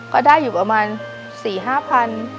ก็ได้อยู่ประมาณ๔๕๐๐บาท